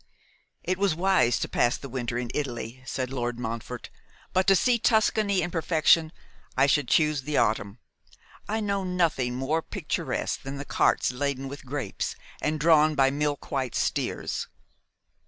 'It was wise to pass the winter in Italy,' said Lord Montfort, 'but to see Tuscany in perfection I should choose the autumn. I know nothing more picturesque than the carts laden with grapes, and drawn by milk white steers.